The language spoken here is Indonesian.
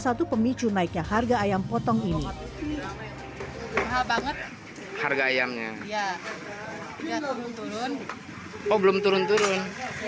satu pemicu naiknya harga ayam potong ini mahal banget harga ayamnya ya turun turun oh belum turun turun